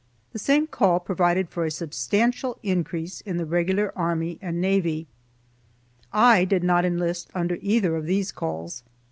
The same call provided for a substantial increase in the regular army and navy. I did not enlist under either of these calls.